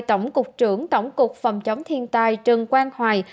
tổng cục trưởng tổng cục phòng chống thiên tai trần quang hoài